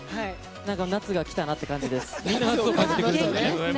夏が来たなという感じです。